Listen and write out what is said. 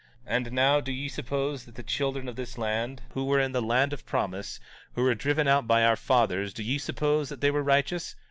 17:33 And now, do ye suppose that the children of this land, who were in the land of promise, who were driven out by our fathers, do ye suppose that they were righteous?